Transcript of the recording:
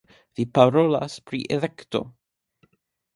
Vi parolas pri elekto!